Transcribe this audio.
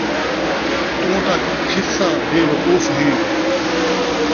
توں تاں چھِسا بے وقوف ہیں